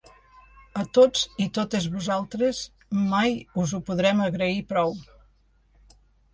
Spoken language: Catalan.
A tots i totes vosaltres, mai us ho podrem agrair prou!